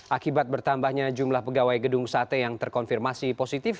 akibat bertambahnya jumlah pegawai gedung sate yang terkonfirmasi positif